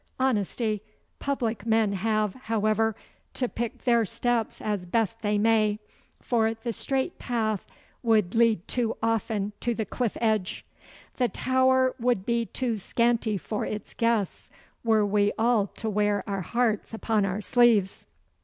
Honesty. Public men have, however, to pick their steps as best they may, for the straight path would lead too often to the cliff edge. The Tower would be too scanty for its guests were we all to wear our hearts upon our sleeves.